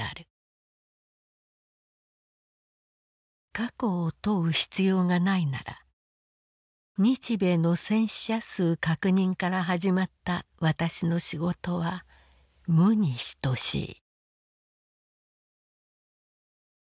「過去を問う必要がないなら日米の戦死者数確認からはじまった私の仕事は無にひとしい」。